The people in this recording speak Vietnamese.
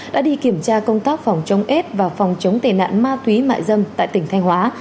đã đi kiểm tra công tác phòng chống s và phòng chống tệ nạn ma túy mại dâm tại tỉnh thanh hóa